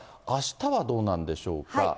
あしたはどうなんでしょうか。